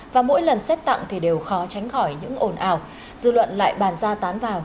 và mỗi lần xét tặng thì đều khó tránh khỏi những ồn ào dư luận lại bàn ra tán vào